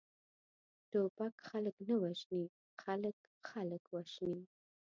ټوپک خلک نه وژني، خلک، خلک وژني!